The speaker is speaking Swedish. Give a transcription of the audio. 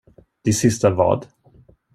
Ditt sista vad?